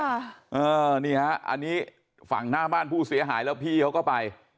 อันนี้ฮะอันนี้ฝั่งหน้าบ้านผู้เสียหายแล้วพี่เขาก็ไป